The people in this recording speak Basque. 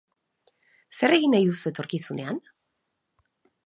Zer egin nahi duzu etorkizunean?